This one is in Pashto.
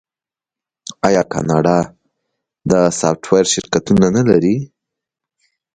آیا کاناډا د سافټویر شرکتونه نلري؟